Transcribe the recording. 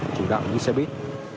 chủ đạo như xe buýt